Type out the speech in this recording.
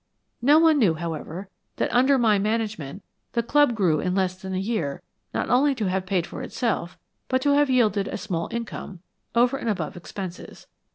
No one knew, however, that under my management, the club grew in less than a year not only to have paid for itself, but to have yielded a small income, over and above expenses.